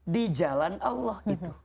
di jalan allah